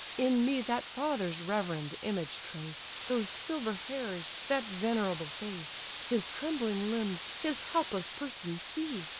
In me that father's reverend image trace, Those silver hairs, that venerable face; His trembling limbs, his helpless person, see!